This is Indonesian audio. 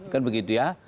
kan begitu ya